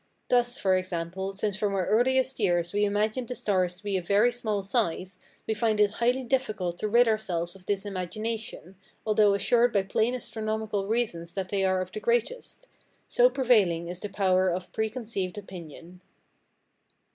Thus, for example, since from our earliest years we imagined the stars to be of very small size, we find it highly difficult to rid ourselves of this imagination, although assured by plain astronomical reasons that they are of the greatest, so prevailing is the power of preconceived opinion.